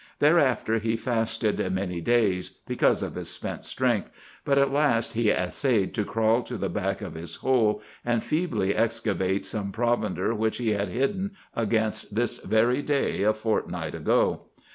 Thereafter he fasted many days, because of his spent strength, but at last he essayed to crawl to the back of his hole and feebly excavate some provender which he had hidden against this very day a fortnight ago.